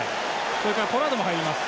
それからポラードも入ります。